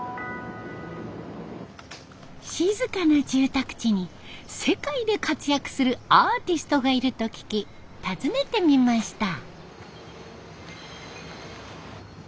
静かな住宅地に世界で活躍するアーティストがいると聞き訪ねてみました。